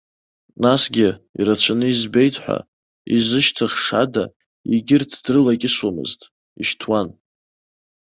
Насгьы, ирацәаны избеит ҳәа, изышьҭыхша ада, егьырҭ дрылакьысуамызт, ишьҭуан.